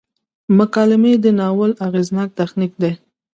مکالمې د ناول اغیزناک تخنیک دی.